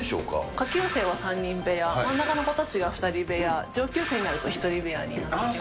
下級生は３人部屋、真ん中の子たちが２人部屋、上級生になると、１人部屋になっています。